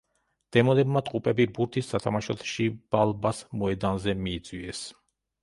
დემონებმა ტყუპები ბურთის სათამაშოდ შიბალბას მოედანზე მიიწვიეს.